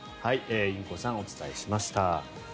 インコさん、お伝えしました。